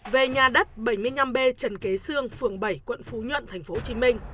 về nhà đất bảy mươi năm b trần kế sương phường bảy quận phú nhuận tp hcm